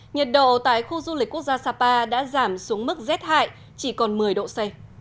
nhiệt độ tại khu du lịch quốc gia sapa đã giảm xuống mức rét hại chỉ còn một mươi độ c